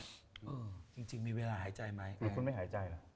จริงมีเวลาหายใจไหมหรือคุณไม่หายใจล่ะ